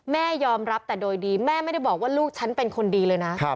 แม่ยอมรับแต่โดยดีแม่ไม่ได้บอกว่าลูกฉันเป็นคนดีเลยนะ